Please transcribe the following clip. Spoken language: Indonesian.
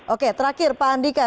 oke terakhir pak andika